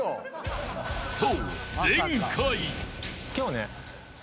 ［そう］